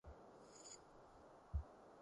一對